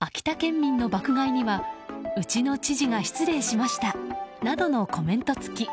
秋田県民の爆買いにはうちの知事が失礼しましたなどのコメント付き。